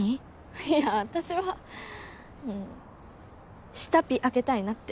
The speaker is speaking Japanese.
いや私は舌ピ開けたいなって。